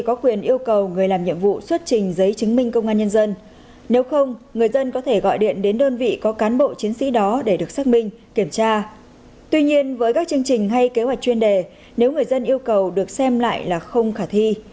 các chương trình hay kế hoạch chuyên đề nếu người dân yêu cầu được xem lại là không khả thi